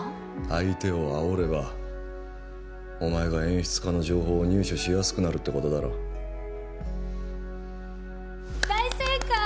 相手をあおればお前が演出家の情報を入手しやすくなるってことだろ大正解！